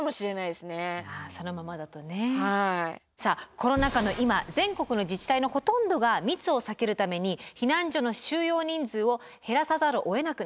コロナ禍の今全国の自治体のほとんどが密を避けるために避難所の収容人数を減らさざるをえなくなっています。